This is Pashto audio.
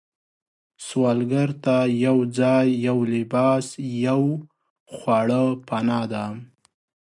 سوالګر ته یو ځای، یو لباس، یو خواړه پناه ده